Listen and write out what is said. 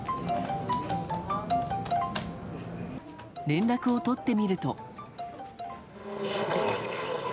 連絡を取ってみると。